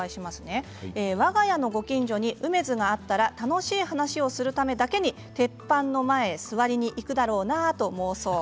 わが家のご近所にうめづがあったら楽しい話をするためだけに鉄板の前へ座りに行くだろうなと妄想。